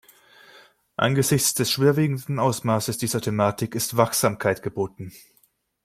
Angesichts des schwerwiegenden Ausmaßes dieser Thematik ist Wachsamkeit geboten.